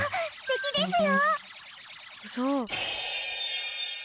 そう。